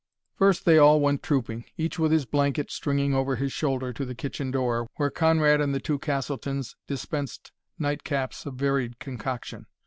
First they all went trooping, each with his blanket stringing over his shoulder, to the kitchen door, where Conrad and the two Castletons dispensed nightcaps of varied concoction.